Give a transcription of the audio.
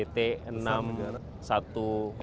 pesawat jt enam ratus sepuluh